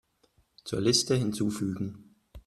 Zur Liste hinzufügen.